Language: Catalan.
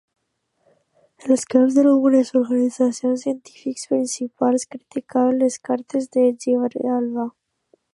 Els caps d'algunes organitzacions científiques principals criticaven les cartes de Grijalva.